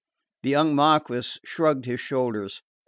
The young Marquess shrugged his shoulders.